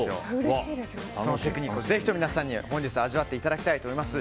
そのテクニックをぜひとも皆さんに本日、味わっていただきたいです。